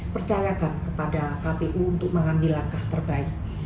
percayakan kepada kpu untuk mengambil langkah terbaik